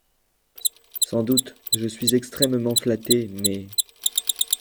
Sans doute… je suis extrêmement flatté, mais…